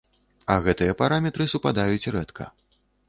А гэтыя параметры супадаюць рэдка.